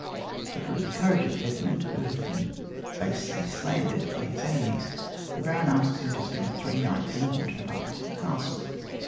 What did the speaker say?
To prove the courage of Edmund, who has been basely slandered by his enemies, the baron asks him to spend three nights in the haunted apartment of the castle.